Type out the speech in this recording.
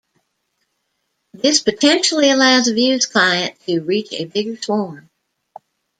This potentially allows the Vuze client to reach a bigger swarm.